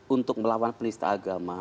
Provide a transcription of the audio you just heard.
untuk melawan penista agama